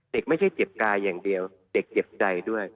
ไม่ใช่เจ็บกายอย่างเดียวเด็กเจ็บใจด้วย